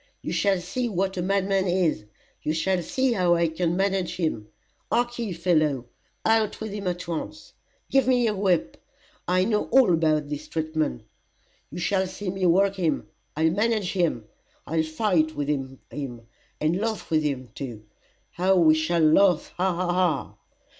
You shall see what a madman is you shall see how I can manage him. Hark ye, fellow, out with him at once. Give me your whip I know all about his treatment. You shall see me work him. I'll manage him, I'll fight with him, and laugh with him too how we shall laugh Ha! Ha! Ha!"